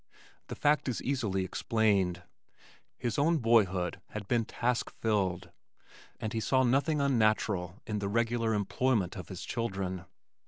The fact is easily explained. His own boyhood had been task filled and he saw nothing unnatural in the regular employment of his children.